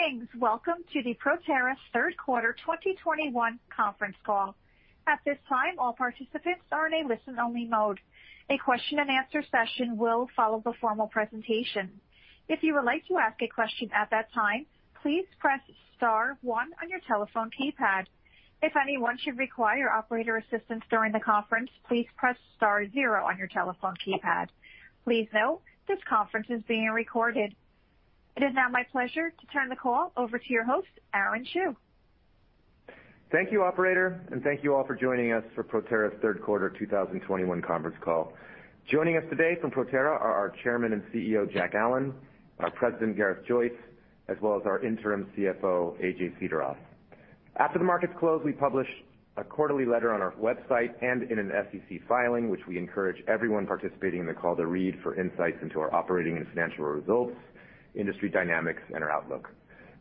Greetings. Welcome to the Proterra third quarter 2021 conference call. At this time, all participants are in a listen-only mode. A question and answer session will follow the formal presentation. If you would like to ask a question at that time, please press star one on your telephone keypad. If anyone should require operator assistance during the conference, please press star zero on your telephone keypad. Please note, this conference is being recorded. It is now my pleasure to turn the call over to your host, Aaron Chew. Thank you, operator, and thank you all for joining us for Proterra's third quarter 2021 conference call. Joining us today from Proterra are our Chairman and CEO, Jack Allen, our President, Gareth Joyce, as well as our Interim CFO, A.J. Cederoth. After the markets closed, we published a quarterly letter on our website and in an SEC filing, which we encourage everyone participating in the call to read for insights into our operating and financial results, industry dynamics, and our outlook.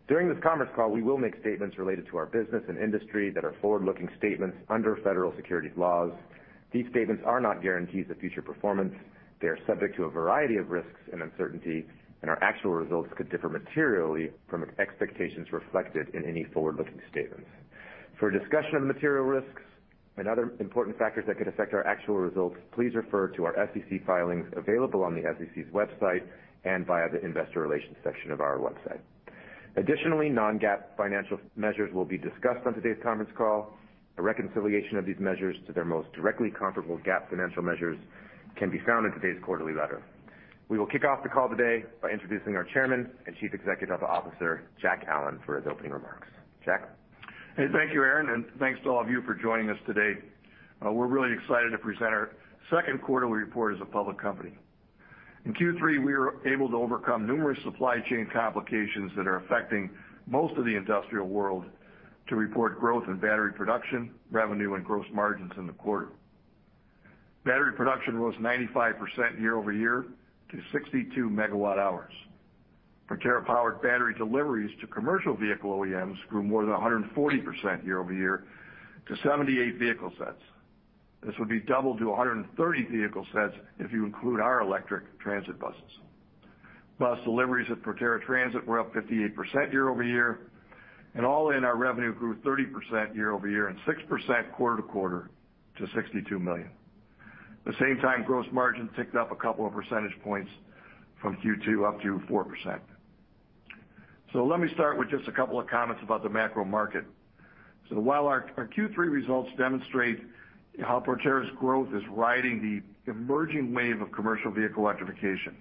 During this conference call, we will make statements related to our business and industry that are forward-looking statements under federal securities laws. These statements are not guarantees of future performance. They are subject to a variety of risks and uncertainty, and our actual results could differ materially from expectations reflected in any forward-looking statements. For a discussion of material risks and other important factors that could affect our actual results, please refer to our SEC filings available on the SEC's website and via the investor relations section of our website. Additionally, non-GAAP financial measures will be discussed on today's conference call. A reconciliation of these measures to their most directly comparable GAAP financial measures can be found in today's quarterly letter. We will kick off the call today by introducing our Chairman and Chief Executive Officer, Jack Allen, for his opening remarks. Jack? Hey, thank you, Aaron, and thanks to all of you for joining us today. We're really excited to present our second quarterly report as a public company. In Q3, we were able to overcome numerous supply chain complications that are affecting most of the industrial world to report growth in battery production, revenue, and gross margins in the quarter. Battery production rose 95% year-over-year to 62 MWh. Proterra Powered battery deliveries to commercial vehicle OEMs grew more than 140% year-over-year to 78 vehicle sets. This would be doubled to 130 vehicle sets if you include our electric transit buses. Bus deliveries at Proterra Transit were up 58% year-over-year, and all in our revenue grew 30% year-over-year and 6% quarter-over-quarter to $62 million. the same time, gross margin ticked up a couple of percentage points from Q2 up to 4%. Let me start with just a couple of comments about the macro market. While our Q3 results demonstrate how Proterra's growth is riding the emerging wave of commercial vehicle electrification,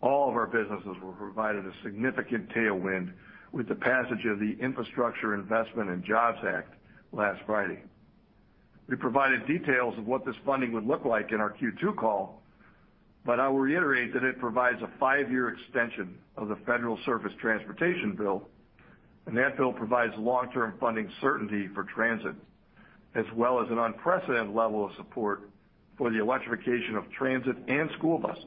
all of our businesses were provided a significant tailwind with the passage of the Infrastructure Investment and Jobs Act last Friday. We provided details of what this funding would look like in our Q2 call, but I will reiterate that it provides a five-year extension of the Federal Surface Transportation bill, and that bill provides long-term funding certainty for transit, as well as an unprecedented level of support for the electrification of transit and school buses.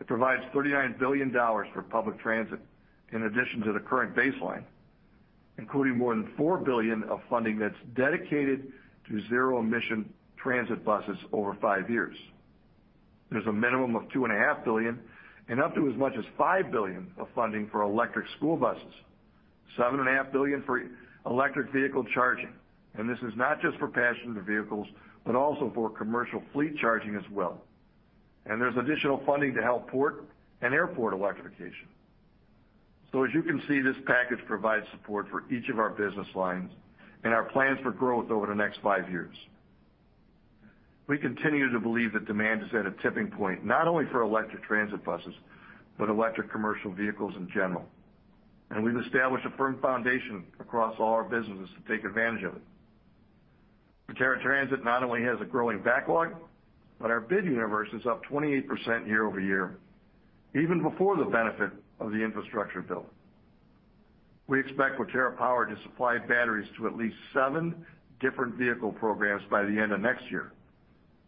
It provides $39 billion for public transit in addition to the current baseline, including more than $4 billion of funding that's dedicated to zero-emission transit buses over five years. There's a minimum of $2.5 billion-$5 billion of funding for electric school buses, $7.5 billion for electric vehicle charging. This is not just for passenger vehicles, but also for commercial fleet charging as well. There's additional funding to help port and airport electrification. As you can see, this package provides support for each of our business lines and our plans for growth over the next five years. We continue to believe that demand is at a tipping point, not only for electric transit buses, but electric commercial vehicles in general. We've established a firm foundation across all our businesses to take advantage of it. Proterra Transit not only has a growing backlog, but our bid universe is up 28% year-over-year, even before the benefit of the infrastructure bill. We expect Proterra Powered to supply batteries to at least seven different vehicle programs by the end of next year,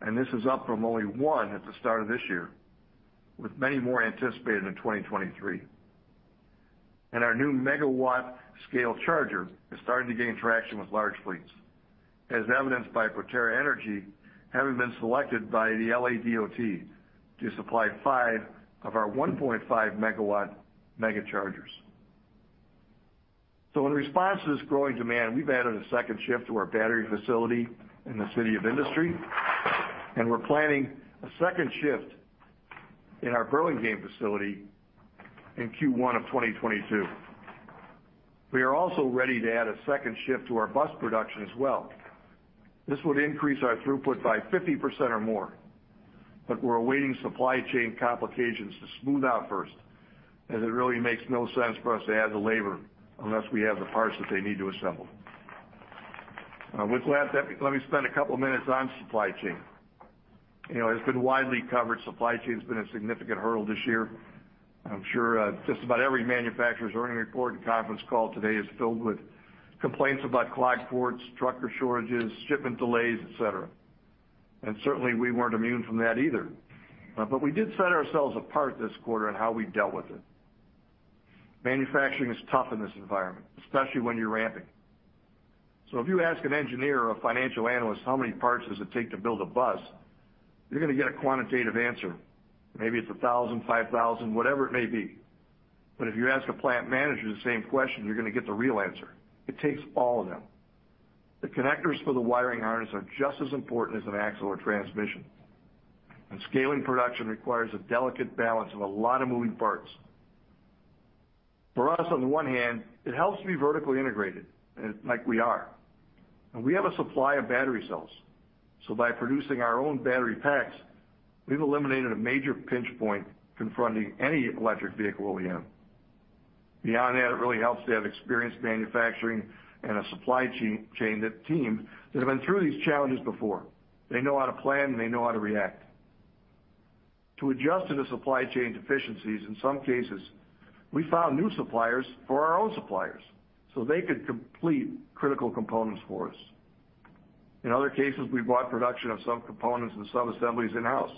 and this is up from only one at the start of this year, with many more anticipated in 2023. Our new megawatt-scale charger is starting to gain traction with large fleets, as evidenced by Proterra Energy having been selected by the LADOT to supply five of our 1.5-megawatt MegaChargers. In response to this growing demand, we've added a second shift to our battery facility in the City of Industry, and we're planning a second shift in our Burlingame facility in Q1 of 2022. We are also ready to add a second shift to our bus production as well. This would increase our throughput by 50% or more, but we're awaiting supply chain complications to smooth out first, as it really makes no sense for us to add the labor unless we have the parts that they need to assemble. With that, let me spend a couple of minutes on supply chain. You know, it's been widely covered. Supply chain has been a significant hurdle this year. I'm sure just about every manufacturer's earnings report and conference call today is filled with complaints about clogged ports, trucker shortages, shipment delays, et cetera. Certainly, we weren't immune from that either. We did set ourselves apart this quarter on how we dealt with it. Manufacturing is tough in this environment, especially when you're ramping. If you ask an engineer or a financial analyst how many parts does it take to build a bus, you're gonna get a quantitative answer. Maybe it's 1,000, 5,000, whatever it may be. If you ask a plant manager the same question, you're gonna get the real answer. It takes all of them. The connectors for the wiring harness are just as important as an axle or transmission. Scaling production requires a delicate balance of a lot of moving parts. For us, on the one hand, it helps to be vertically integrated, like we are, and we have a supply of battery cells, so by producing our own battery packs, we've eliminated a major pinch point confronting any electric vehicle OEM. Beyond that, it really helps to have experienced manufacturing and a supply chain, the team that have been through these challenges before. They know how to plan, and they know how to react. To adjust to the supply chain deficiencies, in some cases, we found new suppliers for our own suppliers, so they could complete critical components for us. In other cases, we brought production of some components and some assemblies in-house.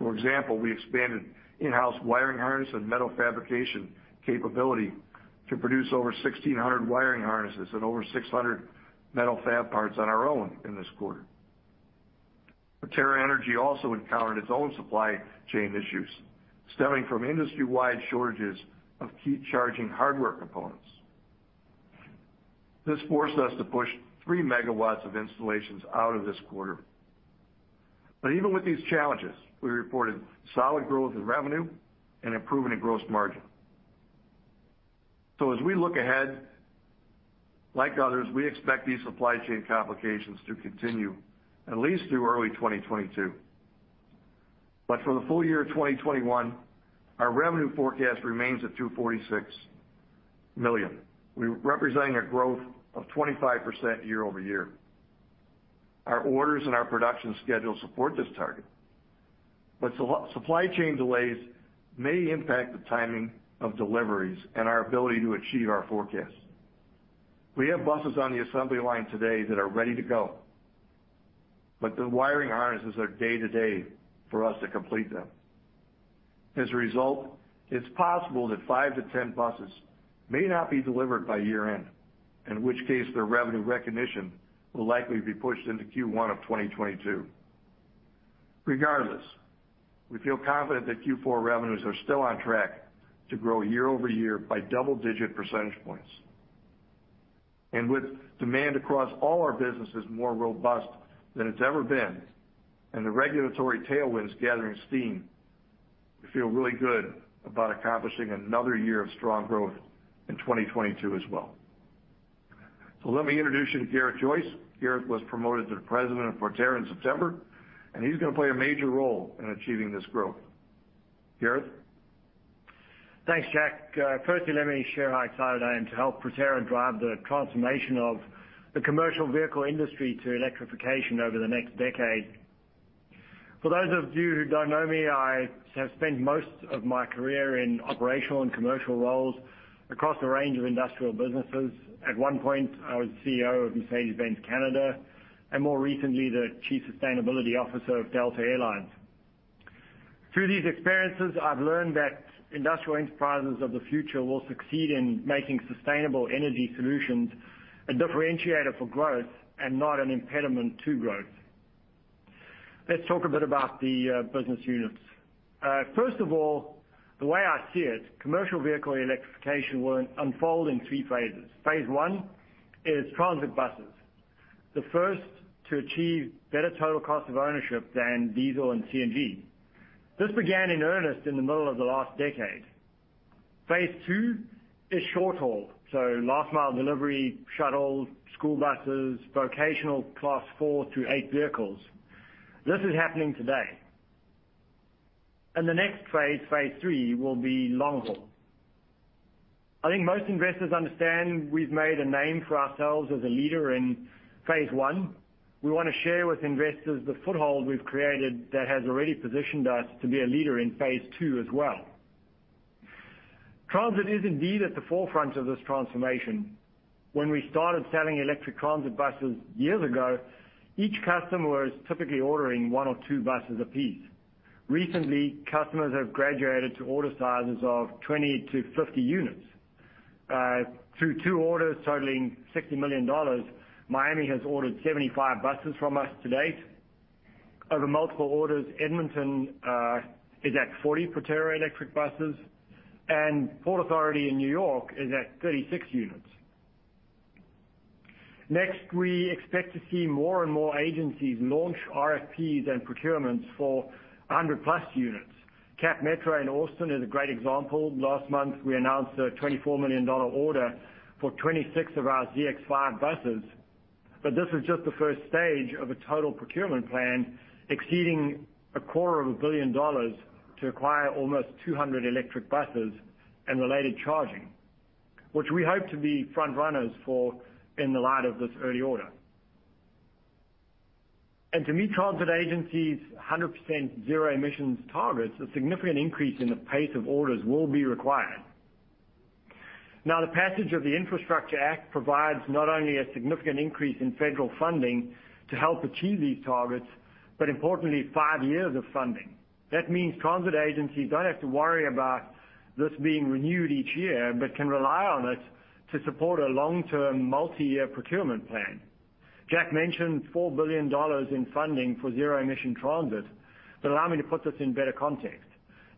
For example, we expanded in-house wiring harness and metal fabrication capability to produce over 1,600 wiring harnesses and over 600 metal fab parts on our own in this quarter. Proterra Energy also encountered its own supply chain issues stemming from industry-wide shortages of key charging hardware components. This forced us to push 3 MW of installations out of this quarter. Even with these challenges, we reported solid growth in revenue and improvement in gross margin. As we look ahead, like others, we expect these supply chain complications to continue at least through early 2022. For the full year of 2021, our revenue forecast remains at $246 million, representing a growth of 25% year-over-year. Our orders and our production schedule support this target. Supply chain delays may impact the timing of deliveries and our ability to achieve our forecast. We have buses on the assembly line today that are ready to go, but the wiring harnesses are day to day for us to complete them. As a result, it's possible that five to 10 buses may not be delivered by year-end, in which case their revenue recognition will likely be pushed into Q1 of 2022. Regardless, we feel confident that Q4 revenues are still on track to grow year-over-year by double-digit percentage points. With demand across all our businesses more robust than it's ever been, and the regulatory tailwinds gathering steam, we feel really good about accomplishing another year of strong growth in 2022 as well. Let me introduce you to Gareth Joyce. Gareth was promoted to President of Proterra in September, and he's gonna play a major role in achieving this growth. Gareth? Thanks, Jack. Firstly, let me share how excited I am to help Proterra drive the transformation of the commercial vehicle industry to electrification over the next decade. For those of you who don't know me, I have spent most of my career in operational and commercial roles across a range of industrial businesses. At one point, I was CEO of Mercedes-Benz Canada, and more recently, the Chief Sustainability Officer of Delta Air Lines. Through these experiences, I've learned that industrial enterprises of the future will succeed in making sustainable energy solutions a differentiator for growth and not an impediment to growth. Let's talk a bit about the business units. First of all, the way I see it, commercial vehicle electrification will unfold in three phases. Phase I is transit buses, the first to achieve better total cost of ownership than diesel and CNG. This began in earnest in the middle of the last decade. Phase II is short-haul, so last mile delivery, shuttles, school buses, vocational Class 4-8 vehicles. This is happening today. The next phase III, will be long-haul. I think most investors understand we've made a name for ourselves as a leader in phase I. We wanna share with investors the foothold we've created that has already positioned us to be a leader in phase II as well. Transit is indeed at the forefront of this transformation. When we started selling electric transit buses years ago, each customer was typically ordering one or two buses a piece. Recently, customers have graduated to order sizes of 20-50 units. Through two orders totaling $60 million, Miami has ordered 75 buses from us to date. Over multiple orders, Edmonton is at 40 Proterra electric buses, and Port Authority in New York is at 36 units. Next, we expect to see more and more agencies launch RFPs and procurements for 100+ units. Capital Metro in Austin is a great example. Last month, we announced a $24 million order for 26 of our ZX5 buses, but this is just the first stage of a total procurement plan exceeding a quarter of a billion dollars to acquire almost 200 electric buses and related charging, which we hope to be front runners for in the light of this early order. To meet transit agencies' 100% zero emissions targets, a significant increase in the pace of orders will be required. Now, the passage of the Infrastructure Act provides not only a significant increase in federal funding to help achieve these targets, but importantly, five years of funding. That means transit agencies don't have to worry about this being renewed each year, but can rely on it to support a long-term multi-year procurement plan. Jack mentioned $4 billion in funding for zero-emission transit, but allow me to put this in better context.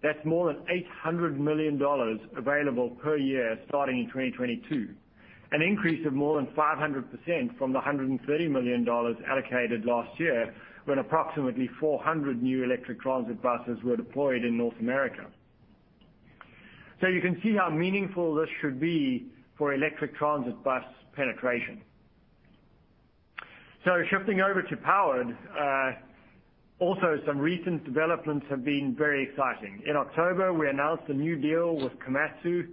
That's more than $800 million available per year starting in 2022, an increase of more than 500% from the $130 million allocated last year when approximately 400 new electric transit buses were deployed in North America. You can see how meaningful this should be for electric transit bus penetration. Shifting over to Powered, also some recent developments have been very exciting. In October, we announced a new deal with Komatsu.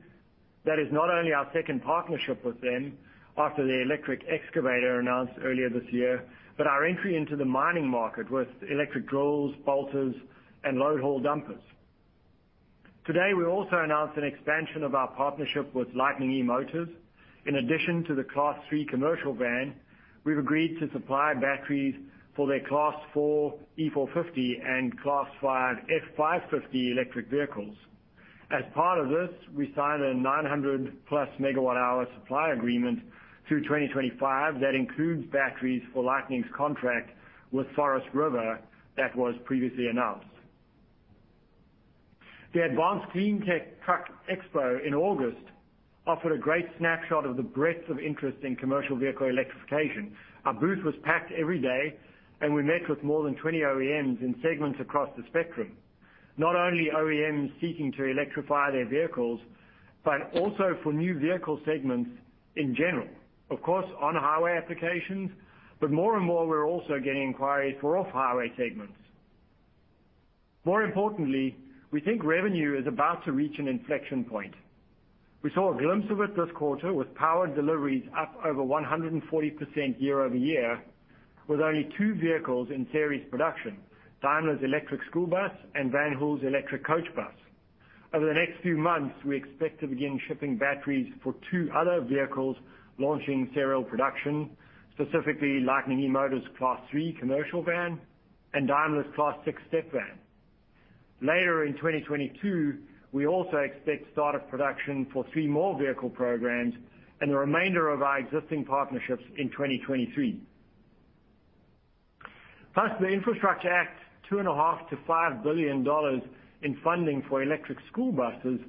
That is not only our second partnership with them after the electric excavator announced earlier this year, but our entry into the mining market with electric drills, bolters, and load haul dumpers. Today, we also announced an expansion of our partnership with Lightning eMotors. In addition to the Class 3 commercial van, we've agreed to supply batteries for their Class 4 E-450 and Class 5 F-550 electric vehicles. As part of this, we signed a 900+ MWh supply agreement through 2025 that includes batteries for Lightning's contract with Forest River that was previously announced. The Advanced Clean Transportation Expo in August offered a great snapshot of the breadth of interest in commercial vehicle electrification. Our booth was packed every day and we met with more than 20 OEMs in segments across the spectrum. Not only OEMs seeking to electrify their vehicles, but also for new vehicle segments in general. Of course, on-highway applications, but more and more we're also getting inquiries for off-highway segments. More importantly, we think revenue is about to reach an inflection point. We saw a glimpse of it this quarter with powered deliveries up over 140% year-over-year, with only two vehicles in series production, Daimler's electric school bus and Van Hool's electric coach bus. Over the next few months, we expect to begin shipping batteries for two other vehicles launching serial production, specifically Lightning eMotors Class 3 commercial van and Daimler's Class 6 step van. Later in 2022, we also expect start of production for 3 more vehicle programs and the remainder of our existing partnerships in 2023. Plus, the Infrastructure Act, $2.5 billion-$5 billion in funding for electric school buses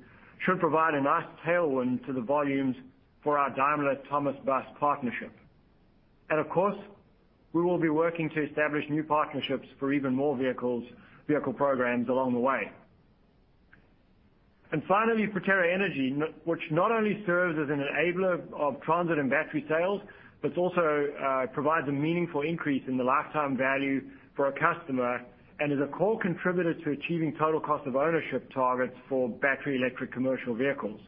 should provide a nice tailwind to the volumes for our Daimler Thomas Built Buses partnership. Of course, we will be working to establish new partnerships for even more vehicles, vehicle programs along the way. Finally, Proterra Energy, which not only serves as an enabler of transit and battery sales, but also provides a meaningful increase in the lifetime value for a customer and is a core contributor to achieving total cost of ownership targets for battery electric commercial vehicles.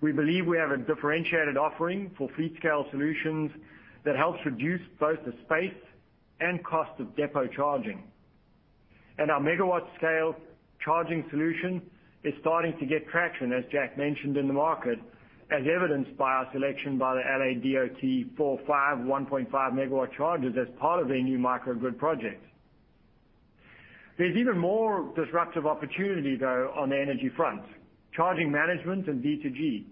We believe we have a differentiated offering for fleet scale solutions that helps reduce both the space and cost of depot charging. Our megawatt-scale charging solution is starting to get traction, as Jack mentioned, in the market, as evidenced by our selection by the LADOT for five 1.5-MW MegaChargers as part of their new microgrid project. There's even more disruptive opportunity, though, on the energy front, charging management and V2G.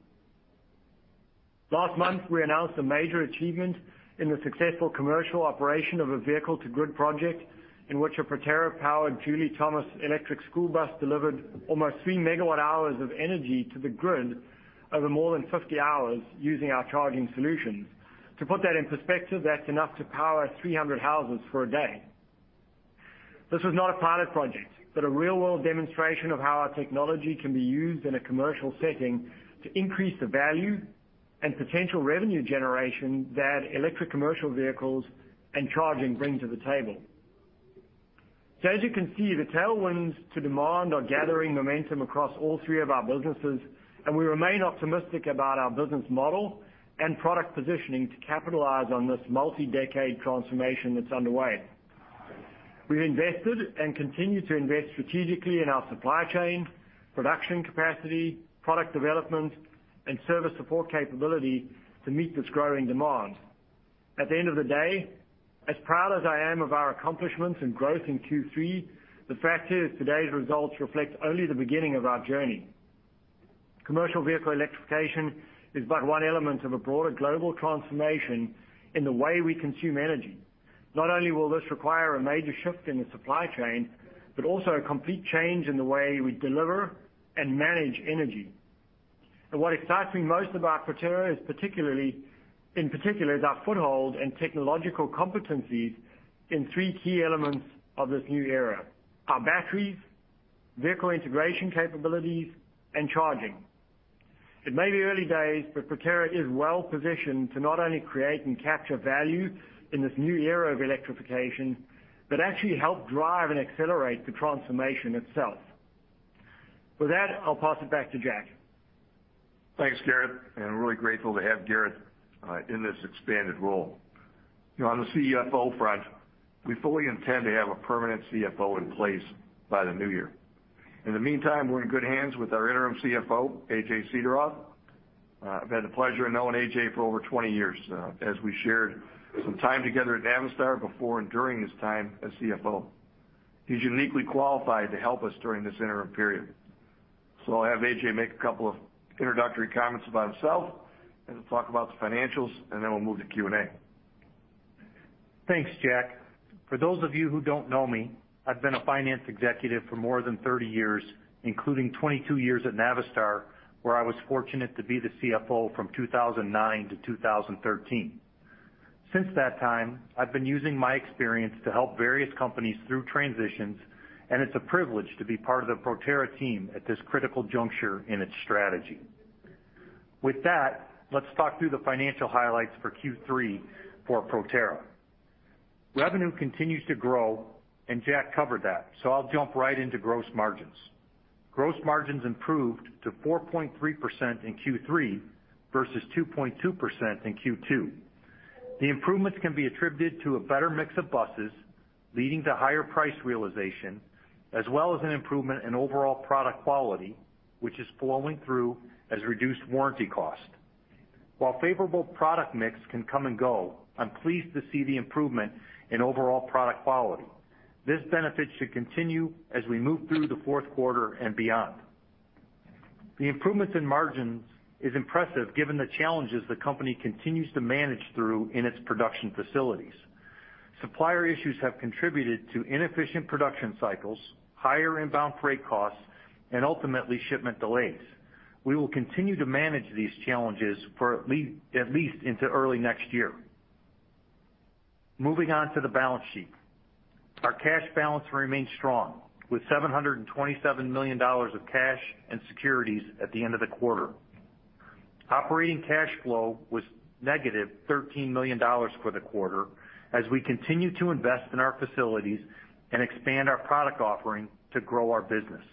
Last month, we announced a major achievement in the successful commercial operation of a vehicle-to-grid project in which a Proterra-powered Jouley Thomas Built Buses electric school bus delivered almost 3 MWh of energy to the grid over more than 50 hours using our charging solutions. To put that in perspective, that's enough to power 300 houses for a day. This was not a pilot project, but a real-world demonstration of how our technology can be used in a commercial setting to increase the value and potential revenue generation that electric commercial vehicles and charging bring to the table. As you can see, the tailwinds to demand are gathering momentum across all three of our businesses, and we remain optimistic about our business model and product positioning to capitalize on this multi-decade transformation that's underway. We've invested and continue to invest strategically in our supply chain, production capacity, product development, and service support capability to meet this growing demand. At the end of the day, as proud as I am of our accomplishments and growth in Q3, the fact is today's results reflect only the beginning of our journey. Commercial vehicle electrification is but one element of a broader global transformation in the way we consume energy. Not only will this require a major shift in the supply chain, but also a complete change in the way we deliver and manage energy. What excites me most about Proterra, in particular, is our foothold and technological competencies in three key elements of this new era, our batteries, vehicle integration capabilities, and charging. It may be early days, but Proterra is well-positioned to not only create and capture value in this new era of electrification, but actually help drive and accelerate the transformation itself. With that, I'll pass it back to Jack. Thanks, Gareth, and we're really grateful to have Gareth in this expanded role. You know, on the CFO front, we fully intend to have a permanent CFO in place by the new year. In the meantime, we're in good hands with our Interim CFO, A.J. Cederoth. I've had the pleasure of knowing A.J. for over 20 years now, as we shared some time together at Navistar before and during his time as CFO. He's uniquely qualified to help us during this interim period. I'll have A.J. make a couple of introductory comments about himself, and he'll talk about the financials, and then we'll move to Q&A. Thanks, Jack. For those of you who don't know me, I've been a finance executive for more than 30 years, including 22 years at Navistar, where I was fortunate to be the CFO from 2009 to 2013. Since that time, I've been using my experience to help various companies through transitions, and it's a privilege to be part of the Proterra team at this critical juncture in its strategy. With that, let's talk through the financial highlights for Q3 for Proterra. Revenue continues to grow, and Jack covered that, so I'll jump right into gross margins. Gross margins improved to 4.3% in Q3 versus 2.2% in Q2. The improvements can be attributed to a better mix of buses, leading to higher price realization, as well as an improvement in overall product quality, which is flowing through as reduced warranty cost. While favorable product mix can come and go, I'm pleased to see the improvement in overall product quality. This benefit should continue as we move through the fourth quarter and beyond. The improvements in margins is impressive given the challenges the company continues to manage through in its production facilities. Supplier issues have contributed to inefficient production cycles, higher inbound freight costs, and ultimately, shipment delays. We will continue to manage these challenges for at least into early next year. Moving on to the balance sheet. Our cash balance remains strong, with $727 million of cash and securities at the end of the quarter. Operating cash flow was negative $13 million for the quarter as we continue to invest in our facilities and expand our product offering to grow our business.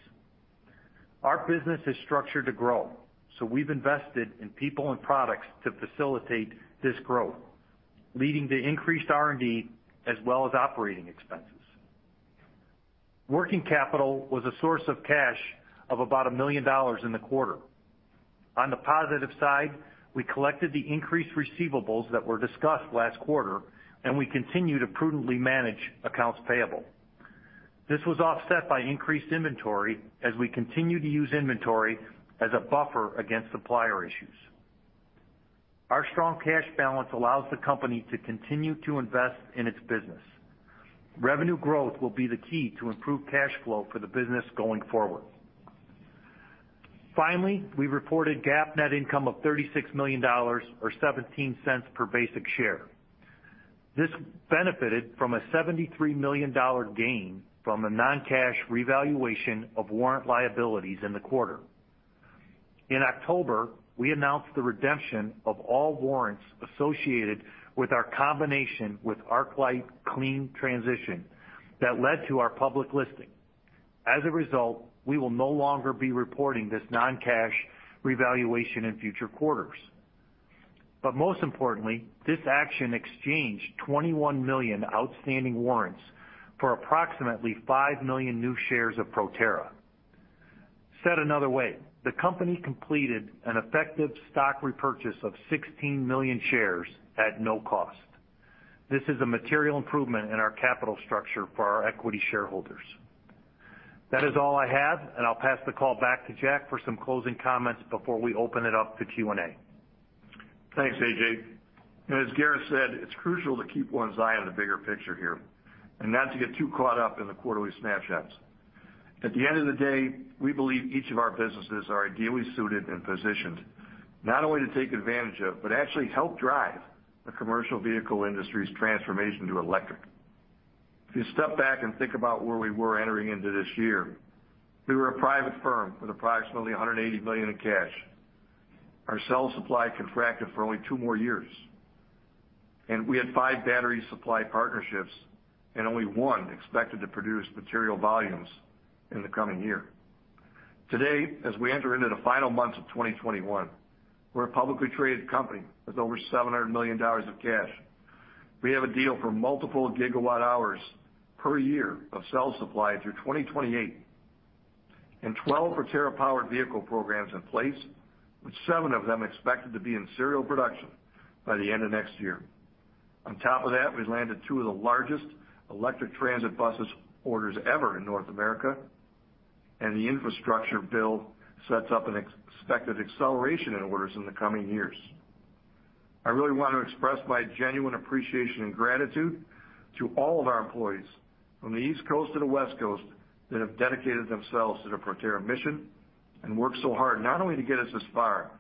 Our business is structured to grow, so we've invested in people and products to facilitate this growth, leading to increased R&D as well as operating expenses. Working capital was a source of cash of about $1 million in the quarter. On the positive side, we collected the increased receivables that were discussed last quarter, and we continue to prudently manage accounts payable. This was offset by increased inventory as we continue to use inventory as a buffer against supplier issues. Our strong cash balance allows the company to continue to invest in its business. Revenue growth will be the key to improve cash flow for the business going forward. Finally, we reported GAAP net income of $36 million or $0.17 per basic share. This benefited from a $73 million gain from the non-cash revaluation of warrant liabilities in the quarter. In October, we announced the redemption of all warrants associated with our combination with ArcLight Clean Transition that led to our public listing. As a result, we will no longer be reporting this non-cash revaluation in future quarters. Most importantly, this action exchanged 21 million outstanding warrants for approximately 5 million new shares of Proterra. Said another way, the company completed an effective stock repurchase of 16 million shares at no cost. This is a material improvement in our capital structure for our equity shareholders. That is all I have, and I'll pass the call back to Jack for some closing comments before we open it up to Q&A. Thanks, AJ. As Gareth said, it's crucial to keep one's eye on the bigger picture here and not to get too caught up in the quarterly snapshots. At the end of the day, we believe each of our businesses are ideally suited and positioned not only to take advantage of, but actually help drive the commercial vehicle industry's transformation to electric. If you step back and think about where we were entering into this year, we were a private firm with approximately $180 million in cash. Our cell supply contracted for only two more years, and we had five battery supply partnerships, and only one expected to produce material volumes in the coming year. Today, as we enter into the final months of 2021, we're a publicly traded company with over $700 million of cash. We have a deal for multiple gigawatt-hours per year of cell supply through 2028 and 12 Proterra-powered vehicle programs in place, with seven of them expected to be in serial production by the end of next year. On top of that, we've landed two of the largest electric transit bus orders ever in North America, and the Infrastructure bill sets up an expected acceleration in orders in the coming years. I really want to express my genuine appreciation and gratitude to all of our employees from the East Coast to the West Coast that have dedicated themselves to the Proterra mission and worked so hard not only to get us this far,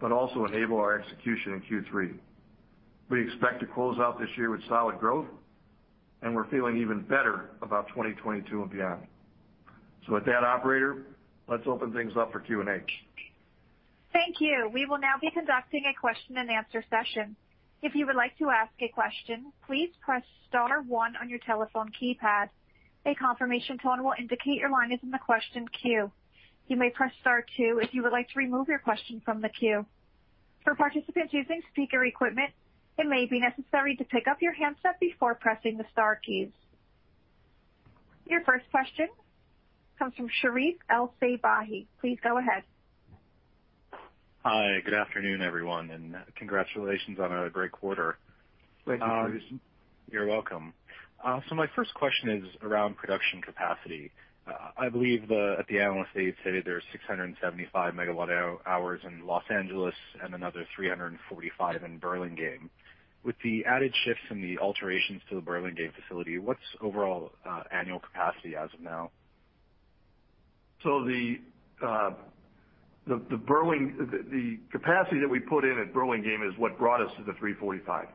but also enable our execution in Q3. We expect to close out this year with solid growth, and we're feeling even better about 2022 and beyond. With that, operator, let's open things up for Q&A. Thank you. We will now be conducting a question-and-answer session. If you would like to ask a question, please press star one on your telephone keypad. A confirmation tone will indicate your line is in the question queue. You may press star two if you would like to remove your question from the queue. For participants using speaker equipment, it may be necessary to pick up your handset before pressing the star keys. Your first question comes from Sherif El-Sabbahy. Please go ahead. Hi, good afternoon, everyone, and congratulations on a great quarter. Thank you. You're welcome. My first question is around production capacity. I believe at the analyst day, you'd said there are 675 MWh in Los Angeles and another 345 in Burlingame. With the added shifts and the alterations to the Burlingame facility, what's overall annual capacity as of now? The capacity that we put in at Burlingame is what brought us to the 345.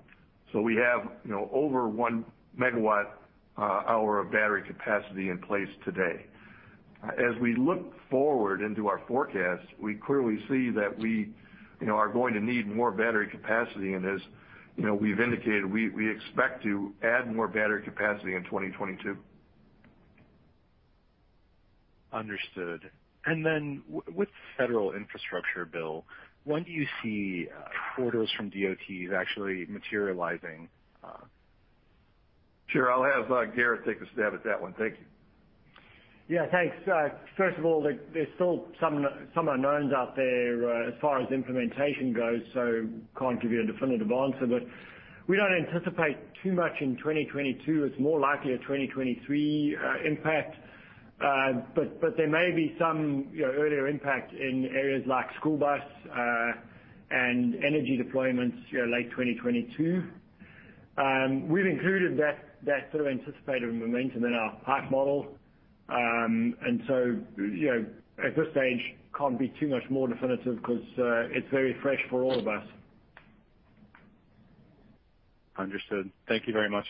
We have, you know, over 1 MWh of battery capacity in place today. As we look forward into our forecast, we clearly see that we, you know, are going to need more battery capacity, and as, you know, we've indicated, we expect to add more battery capacity in 2022. Understood. With the federal infrastructure bill, when do you see orders from DOTs actually materializing? Sure. I'll have Gareth take a stab at that one. Thank you. Yeah, thanks. First of all, there's still some unknowns out there as far as implementation goes, so can't give you a definitive answer. We don't anticipate too much in 2022. It's more likely a 2023 impact. There may be some, you know, earlier impact in areas like school bus and energy deployments, you know, late 2022. We've included that sort of anticipated momentum in our pipeline model. You know, at this stage, can't be too much more definitive 'cause it's very fresh for all of us. Understood. Thank you very much.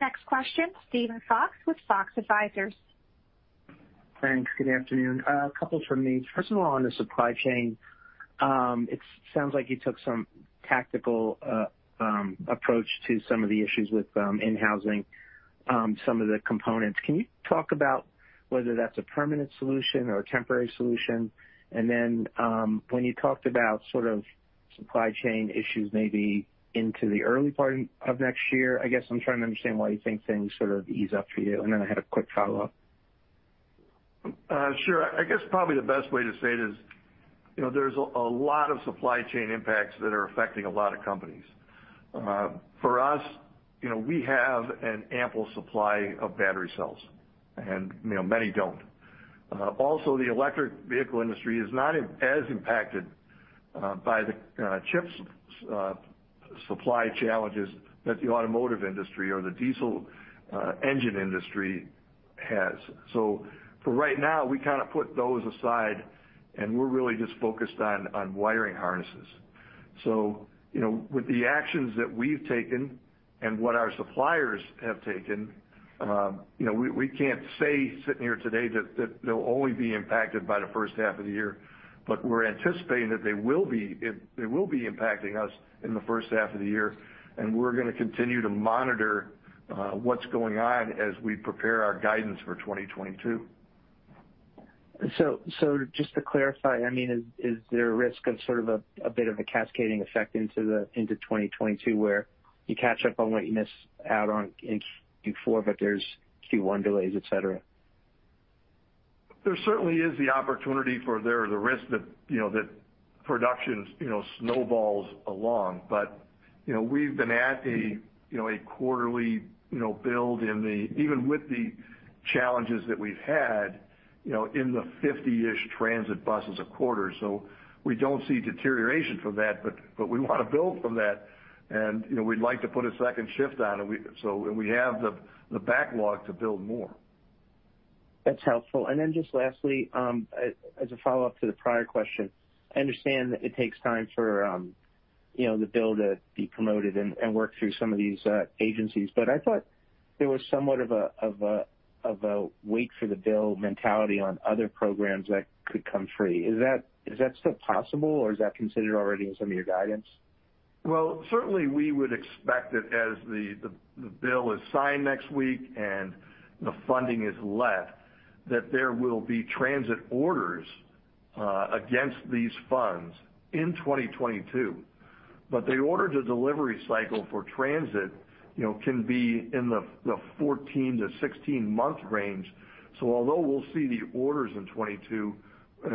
Next question, Steven Fox with Fox Advisors. Thanks. Good afternoon. A couple from me. First of all, on the supply chain, it sounds like you took some tactical approach to some of the issues with in-housing some of the components. Can you talk about whether that's a permanent solution or a temporary solution? When you talked about sort of supply chain issues maybe into the early part of next year, I guess I'm trying to understand why you think things sort of ease up for you. I had a quick follow-up. Sure. I guess probably the best way to say it is, you know, there's a lot of supply chain impacts that are affecting a lot of companies. For us, you know, we have an ample supply of battery cells, and, you know, many don't. Also, the electric vehicle industry is not as impacted by the chips supply challenges that the automotive industry or the diesel engine industry has. For right now, we kinda put those aside, and we're really just focused on wiring harnesses. You know, with the actions that we've taken and what our suppliers have taken, you know, we can't say sitting here today that they'll only be impacted by the first half of the year, but we're anticipating that they will be impacting us in the first half of the year, and we're gonna continue to monitor what's going on as we prepare our guidance for 2022. Just to clarify, I mean, is there a risk of sort of a bit of a cascading effect into 2022, where you catch up on what you missed out on in Q4, but there's Q1 delays, etc.? There certainly is the opportunity there, or the risk that, you know, that production, you know, snowballs along. You know, we've been at a, you know, a quarterly build. Even with the challenges that we've had, you know, in the 50-ish transit buses a quarter. We don't see deterioration from that, but we wanna build from that and, you know, we'd like to put a second shift on, and we have the backlog to build more. That's helpful. Then just lastly, as a follow-up to the prior question, I understand that it takes time for, you know, the bill to be promoted and work through some of these agencies, but I thought there was somewhat of a wait for the bill mentality on other programs that could come free. Is that still possible, or is that considered already in some of your guidance? Well, certainly we would expect that as the bill is signed next week and the funding is released, that there will be transit orders against these funds in 2022. The order-to-delivery cycle for transit, you know, can be in the 14-16-month range. Although we'll see the orders in 2022,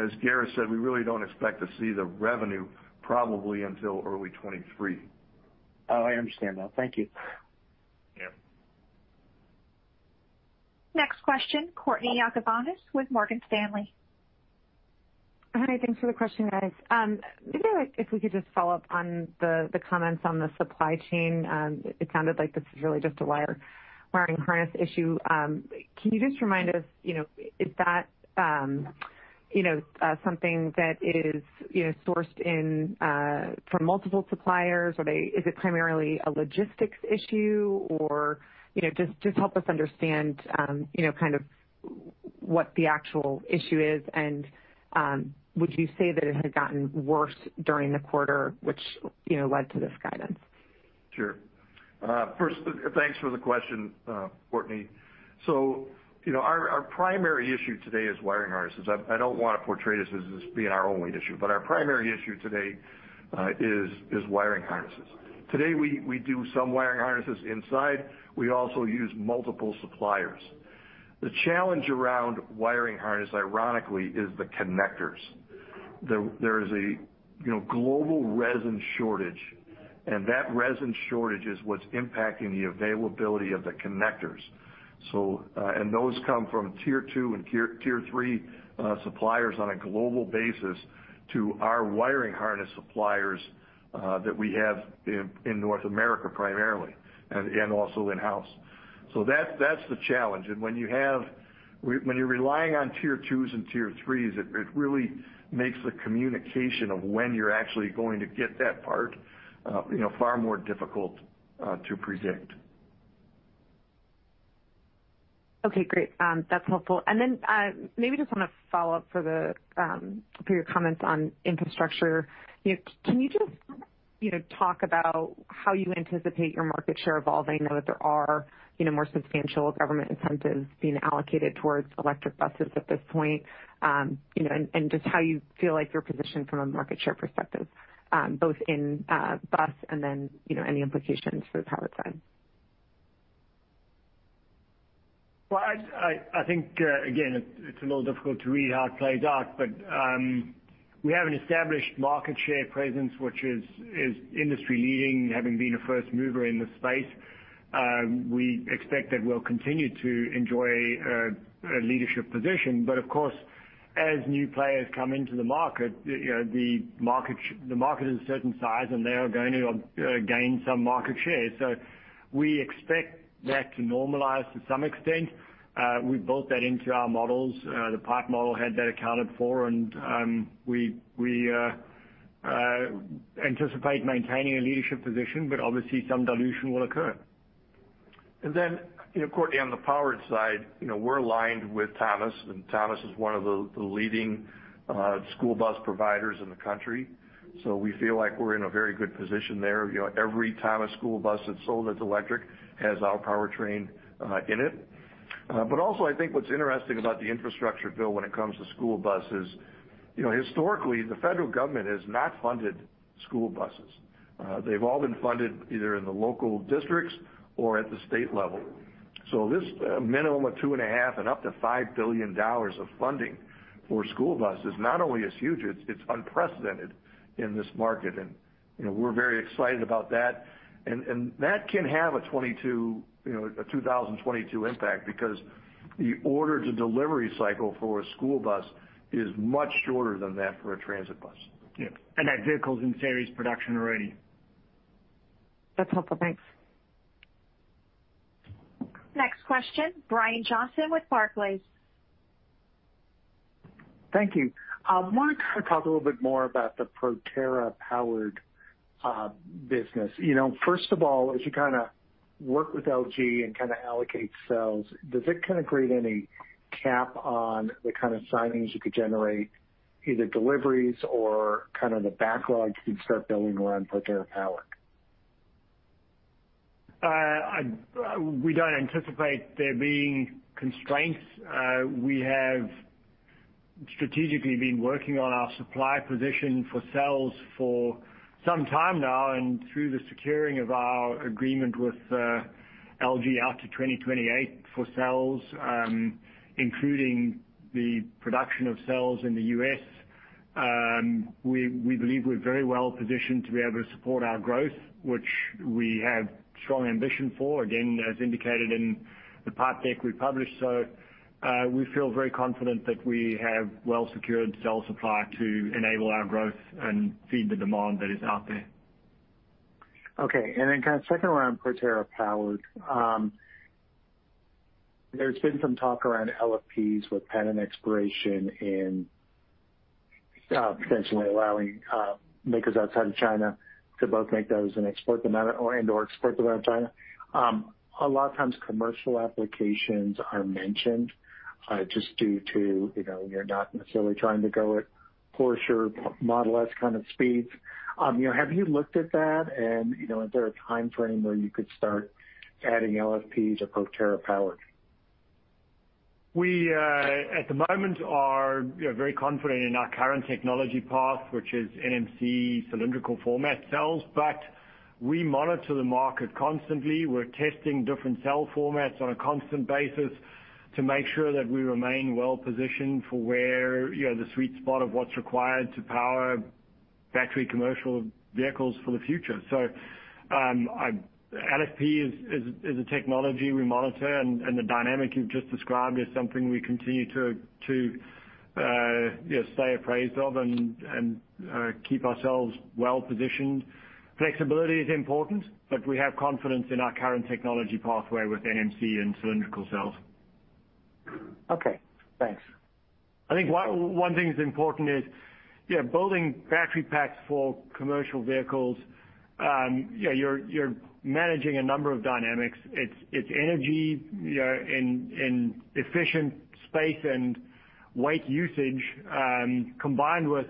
as Gareth said, we really don't expect to see the revenue probably until early 2023. Oh, I understand though. Thank you. Yeah. Next question, Courtney Yakavonis with Morgan Stanley. Hi, thanks for the question, guys. Maybe like if we could just follow up on the comments on the supply chain. It sounded like this is really just a wiring harness issue. Can you just remind us, you know, is that, you know, something that is, you know, sourced from multiple suppliers? Or is it primarily a logistics issue? Or, you know, just help us understand, you know, kind of what the actual issue is. Would you say that it had gotten worse during the quarter, which, you know, led to this guidance? Sure. First, thanks for the question, Courtney. You know, our primary issue today is wiring harnesses. I don't wanna portray this as this being our only issue, but our primary issue today is wiring harnesses. Today, we do some wiring harnesses inside. We also use multiple suppliers. The challenge around wiring harness, ironically, is the connectors. There is a, you know, global resin shortage, and that resin shortage is what's impacting the availability of the connectors. Those come from tier two and tier three suppliers on a global basis to our wiring harness suppliers that we have in North America primarily and also in-house. That's the challenge. When you're relying on tier twos and tier threes, it really makes the communication of when you're actually going to get that part, you know, far more difficult to predict. Okay, great. That's helpful. Maybe just want to follow up for your comments on infrastructure. You know, can you just, you know, talk about how you anticipate your market share evolving? I know that there are, you know, more substantial government incentives being allocated towards electric buses at this point. You know, and just how you feel like you're positioned from a market share perspective, both in bus and then, you know, any implications for the powered side. Well, I think again, it's a little difficult to read how it plays out. We have an established market share presence, which is industry-leading, having been a first mover in the space. We expect that we'll continue to enjoy a leadership position, but of course, as new players come into the market, you know, the market is a certain size, and they are going to gain some market share. We expect that to normalize to some extent. We built that into our models. The pipeline model had that accounted for, and we anticipate maintaining a leadership position, but obviously some dilution will occur. You know, Courtney, on the powered side, you know, we're aligned with Thomas, and Thomas is one of the leading school bus providers in the country. We feel like we're in a very good position there. You know, every Thomas school bus that's sold as electric has our powertrain in it. But also I think what's interesting about the infrastructure bill when it comes to school buses, you know, historically the federal government has not funded school buses. They've all been funded either in the local districts or at the state level. This minimum of $2.5 billion-$5 billion of funding for school buses not only is huge, it's unprecedented in this market. You know, we're very excited about that. That can have a 2022, you know, a 2022 impact because the order-to-delivery cycle for a school bus is much shorter than that for a transit bus. Yeah. That vehicle's in series production already. That's helpful. Thanks. Next question, Brian Johnson with Barclays. Thank you. I wanted to talk a little bit more about the Proterra Powered business. You know, first of all, as you kinda work with LG and kinda allocate cells, does it kinda create any cap on the kind of signings you could generate, either deliveries or kind of the backlog you can start building around Proterra Powered? We don't anticipate there being constraints. We have strategically been working on our supply position for cells for some time now and through the securing of our agreement with LG out to 2028 for cells, including the production of cells in the U.S. We believe we're very well positioned to be able to support our growth, which we have strong ambition for, again, as indicated in the slide deck we published. We feel very confident that we have well-secured cell supply to enable our growth and feed the demand that is out there. Okay. Kinda second around Proterra Powered. There's been some talk around LFPs with patent expiration and potentially allowing makers outside of China to both make those and/or export them out of China. A lot of times commercial applications are mentioned just due to, you know, you're not necessarily trying to go at Porsche or Model S kind of speeds. You know, have you looked at that and is there a timeframe where you could start adding LFPs at Proterra Powered? We at the moment are, you know, very confident in our current technology path, which is NMC cylindrical format cells, but we monitor the market constantly. We're testing different cell formats on a constant basis to make sure that we remain well positioned for where, you know, the sweet spot of what's required to power battery commercial vehicles for the future. LFP is a technology we monitor, and the dynamic you've just described is something we continue to, you know, stay apprised of and keep ourselves well positioned. Flexibility is important, but we have confidence in our current technology pathway with NMC and cylindrical cells. Okay, thanks. I think one thing that's important is, yeah, building battery packs for commercial vehicles, yeah, you're managing a number of dynamics. It's energy, you know, and efficient space and weight usage, combined with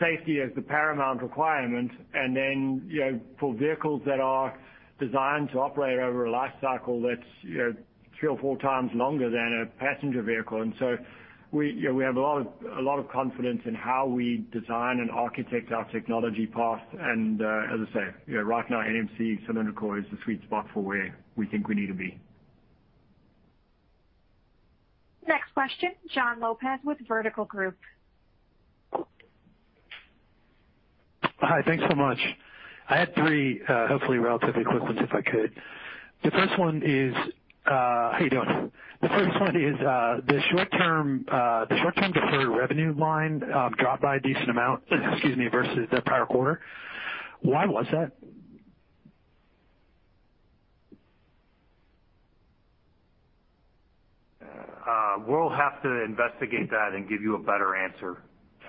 safety is the paramount requirement. You know, for vehicles that are designed to operate over a life cycle that's, you know, three or 4x longer than a passenger vehicle. We, you know, we have a lot of confidence in how we design and architect our technology path. As I say, you know, right now, NMC cylindrical is the sweet spot for where we think we need to be. Next question, Jon Lopez with Vertical Group. Hi. Thanks so much. I had three, hopefully relatively quick ones, if I could. The first one is, How you doing? The first one is, the short-term deferred revenue line dropped by a decent amount, excuse me, versus the prior quarter. Why was that? We'll have to investigate that and give you a better answer.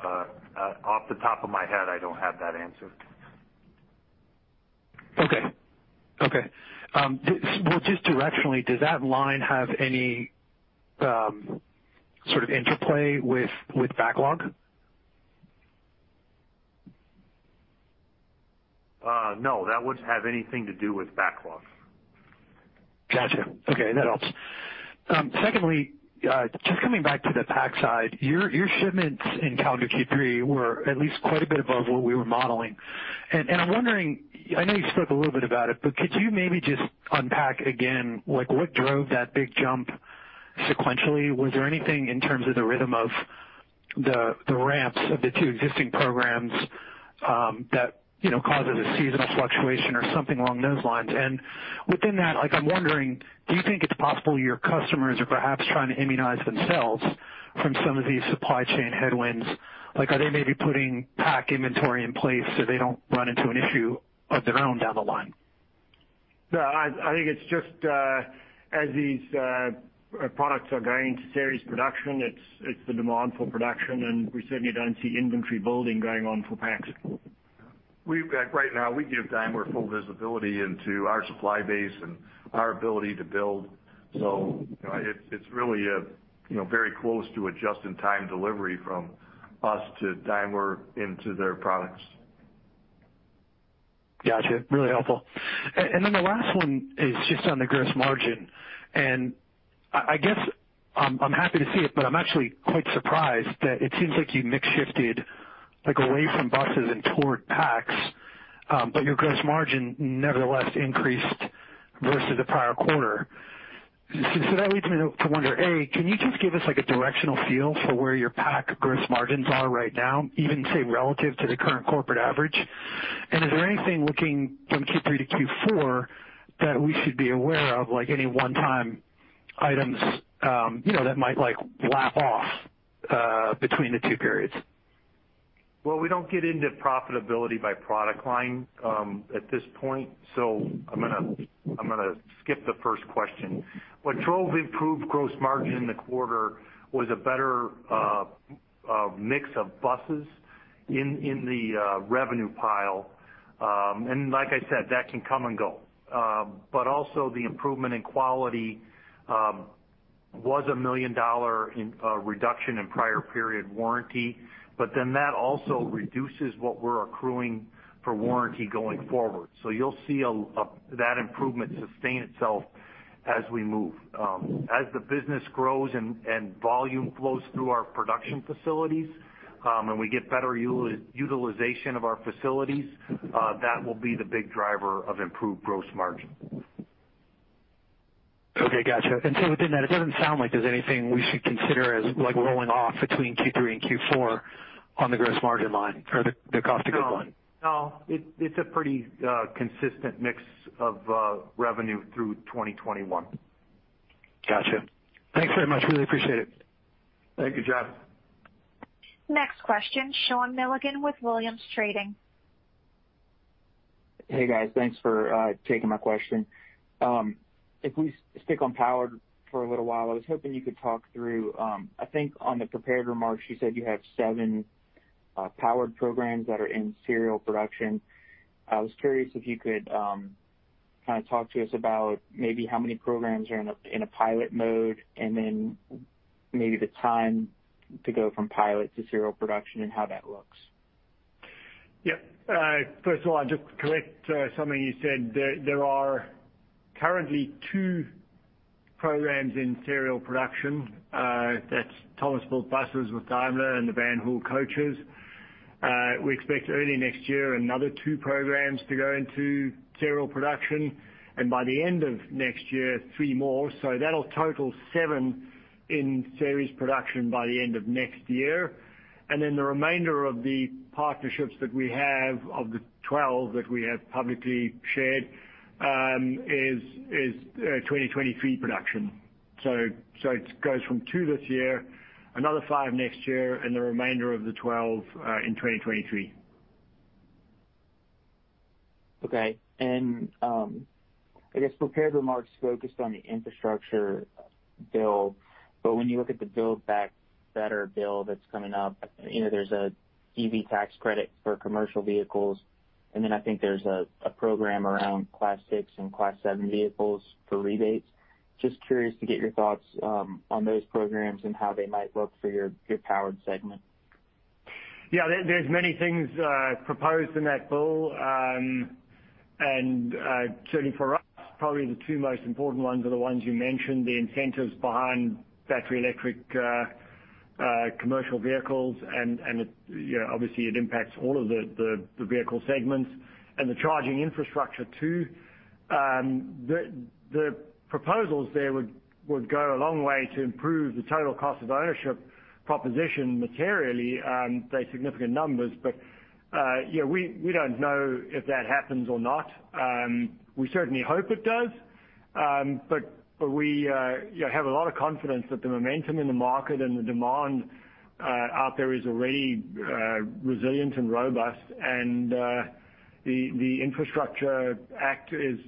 Off the top of my head, I don't have that answer. Okay. Well, just directionally, does that line have any sort of interplay with backlog? No, that wouldn't have anything to do with backlog. Gotcha. Okay, that helps. Secondly, just coming back to the pack side, your shipments in calendar Q3 were at least quite a bit above what we were modeling. I'm wondering, I know you spoke a little bit about it, but could you maybe just unpack again, like, what drove that big jump sequentially? Was there anything in terms of the rhythm of the ramps of the two existing programs that you know, causes a seasonal fluctuation or something along those lines? Within that, like, I'm wondering, do you think it's possible your customers are perhaps trying to immunize themselves from some of these supply chain headwinds? Like, are they maybe putting pack inventory in place so they don't run into an issue of their own down the line? No, I think it's just as these products are going to series production, it's the demand for production, and we certainly don't see inventory building going on for packs. Like right now, we give Daimler full visibility into our supply base and our ability to build. It's really a, you know, very close to a just-in-time delivery from us to Daimler into their products. Gotcha. Really helpful. The last one is just on the gross margin. I guess I'm happy to see it, but I'm actually quite surprised that it seems like you mix shifted, like, away from buses and toward packs, but your gross margin nevertheless increased versus the prior quarter. That leads me to wonder, A, can you just give us, like, a directional feel for where your pack gross margins are right now, even, say, relative to the current corporate average? Is there anything looking from Q3 to Q4 that we should be aware of, like any one-time items, you know, that might, like, lap off, between the two periods? Well, we don't get into profitability by product line at this point, so I'm gonna skip the first question. What drove improved gross margin in the quarter was a better mix of buses in the revenue pile. Like I said, that can come and go. But also the improvement in quality was a $1 million reduction in prior period warranty, but then that also reduces what we're accruing for warranty going forward. You'll see that improvement sustain itself as we move. As the business grows and volume flows through our production facilities and we get better utilization of our facilities, that will be the big driver of improved gross margin. Okay, gotcha. Within that, it doesn't sound like there's anything we should consider as, like, rolling off between Q3 and Q4 on the gross margin line or the cost of goods line. No. It's a pretty consistent mix of revenue through 2021. Gotcha. Thanks very much. I really appreciate it. Thank you, Jon. Next question, Sean Milligan with Williams Trading. Hey, guys. Thanks for taking my question. If we stick on powered for a little while, I was hoping you could talk through, I think on the prepared remarks, you said you have seven powered programs that are in serial production. I was curious if you could kinda talk to us about maybe how many programs are in a pilot mode, and then maybe the time to go from pilot to serial production and how that looks. Yeah. First of all, just to correct something you said, there are currently two programs in serial production, that's Thomas Built Buses with Daimler and the Van Hool coaches. We expect early next year another two programs to go into serial production, and by the end of next year, three more. That'll total seven in series production by the end of next year. Then the remainder of the partnerships that we have of the 12 that we have publicly shared is 2023 production. It goes from two this year, another five next year, and the remainder of the 12 in 2023. Okay. I guess prepared remarks focused on the infrastructure bill, but when you look at the Build Back Better bill that's coming up, you know, there's an EV tax credit for commercial vehicles, and then I think there's a program around Class 6 and Class 7 vehicles for rebates. Just curious to get your thoughts on those programs and how they might look for your Powered segment. Yeah. There's many things proposed in that bill. Certainly for us, probably the two most important ones are the ones you mentioned, the incentives behind battery electric commercial vehicles. It, you know, obviously it impacts all of the vehicle segments and the charging infrastructure too. The proposals there would go a long way to improve the total cost of ownership proposition materially by significant numbers. You know, we don't know if that happens or not. We certainly hope it does. We, you know, have a lot of confidence that the momentum in the market and the demand out there is already resilient and robust, and the Infrastructure Act is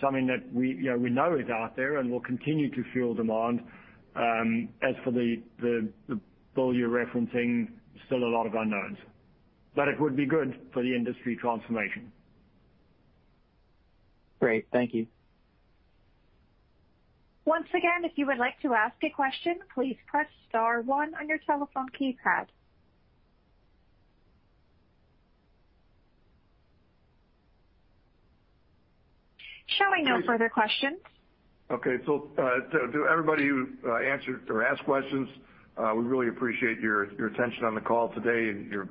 something that we, you know, we know is out there and will continue to fuel demand. As for the bill you're referencing, still a lot of unknowns. It would be good for the industry transformation. Great. Thank you. Once again, if you would like to ask a question, please press star one on your telephone keypad. Showing no further questions. Okay. To everybody who answered or asked questions, we really appreciate your attention on the call today and your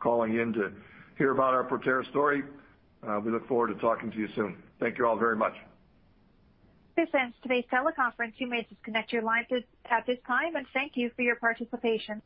calling in to hear about our Proterra story. We look forward to talking to you soon. Thank you all very much. This ends today's teleconference. You may disconnect your lines at this time, and thank you for your participation.